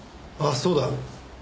あっそうだ。